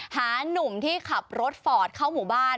นุ่มที่ขับรถฟอร์ดเข้าหมู่บ้าน